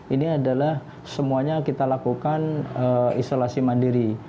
ini adalah semuanya kita lakukan isolasi mandiri